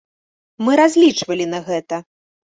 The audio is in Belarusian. Мы разлічвалі на гэта.